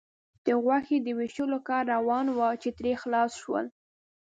د غوښې د وېشلو کار روان و، چې ترې خلاص شول.